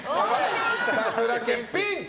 北村家、ピンチ！